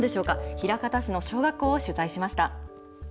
枚方市の小学校を取材しました。